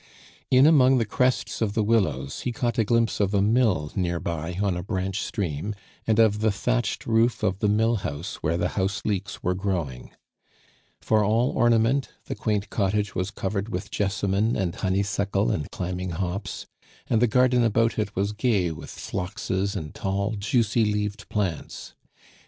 In among the crests of the willows, he caught a glimpse of a mill near by on a branch stream, and of the thatched roof of the mill house where the house leeks were growing. For all ornament, the quaint cottage was covered with jessamine and honeysuckle and climbing hops, and the garden about it was gay with phloxes and tall, juicy leaved plants.